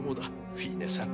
フィーネさん。